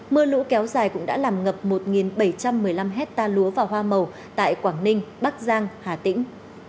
mưa lũ kéo dài cũng đã làm ngập một bảy trăm một mươi năm hectare lúa và hoa màu tại quảng ninh bắc giang hà tĩnh